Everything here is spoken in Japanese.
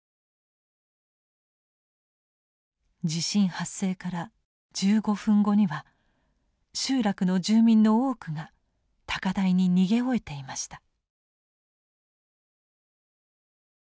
地震発生から１５分後には集落の住民の多くが高台に逃げ終えていました。